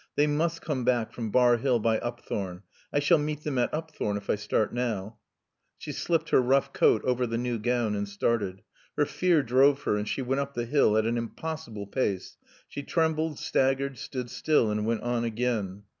"They must come back from Bar Hill by Upthorne. I shall meet them at Upthorne if I start now." She slipped her rough coat over the new gown and started. Her fear drove her, and she went up the hill at an impossible pace. She trembled, staggered, stood still and went on again.